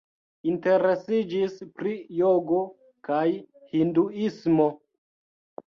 Interesiĝis pri jogo kaj hinduismo.